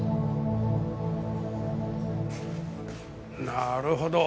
なるほど。